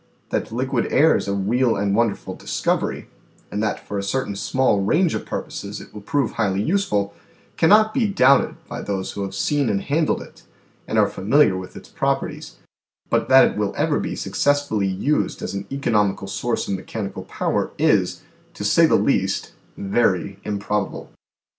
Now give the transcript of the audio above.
That liquid air is a real and wonderful discovery, and that for a certain small range of purposes it will prove highly useful, cannot be doubted by those who have seen and handled it and are familiar with its properties, but that it will ever be successfully used as an economical source of mechanical power is, to say the least, very improbable.